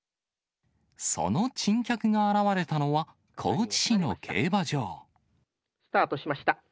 その珍客が現れたのは、高知市の競馬場。スタートしました。